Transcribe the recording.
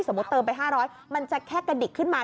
เติมไป๕๐๐มันจะแค่กระดิกขึ้นมา